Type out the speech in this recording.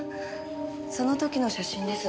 その時の写真です。